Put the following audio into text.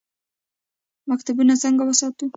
مکتبونه څنګه وساتو؟